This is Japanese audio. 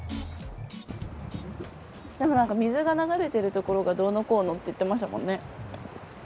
でもなんか水が流れてるところがどうのこうのって言ってましたもんね。